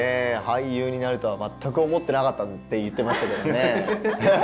俳優になるとは全く思ってなかったって言ってましたけどもね。